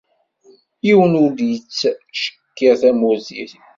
Yiwen ur d-yettcekkiṛ tamurt-iw.